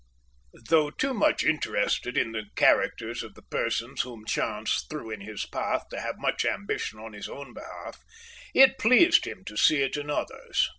Though too much interested in the characters of the persons whom chance threw in his path to have much ambition on his own behalf, it pleased him to see it in others.